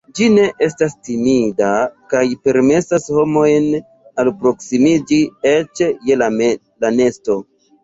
Ĝi ne estas timida kaj permesas homojn alproksimiĝi eĉ je la nesto.